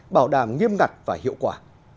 bảo đảm nghiêm ngặt và hiệu quả